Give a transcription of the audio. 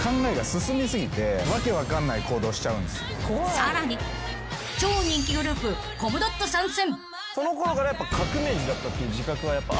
更に、超人気グループコムドット参戦。